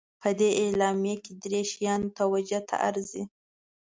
په دې اعلامیه کې درې شیان توجه ته ارزي.